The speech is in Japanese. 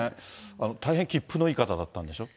大変きっぷのいい方だったんでしょう？